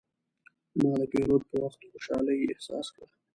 ما د پیرود په وخت خوشحالي احساس کړه.